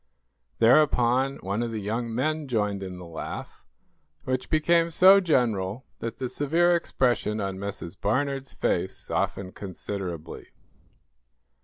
Thereupon, one of the young men joined in the laugh, which became so general that the severe expression on Mrs. Barnard's face softened considerably.